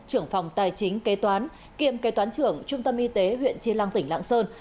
trưởng phòng tài chính kế toán kiêm kế toán trưởng trung tâm y tế huyện chi lăng tỉnh lạng sơn